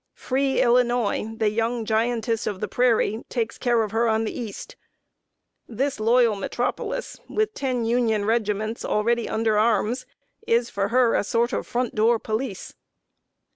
Free Illinois, the young giantess of the prairie, takes care of her on the east. This loyal metropolis, with ten Union regiments already under arms, is for her a sort of front door police.